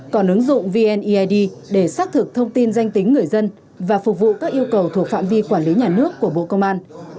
còn ứng dụng vneid để xác thực thông tin danh tính người dân và phục vụ các yêu cầu thuộc phạm vi quản lý nhà nước của bộ công an